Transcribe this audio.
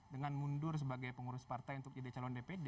dengan mundur sebagai pengurus partai untuk jadi calon dpd